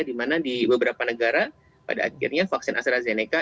di mana di beberapa negara pada akhirnya vaksin astrazeneca